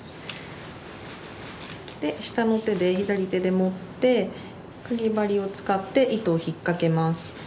で下の手で左手で持ってかぎ針を使って糸を引っかけます。